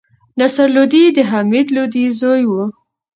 نصر لودي د حمید لودي زوی وو.